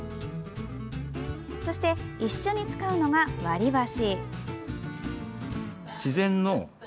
そして一緒に使うのが割り箸。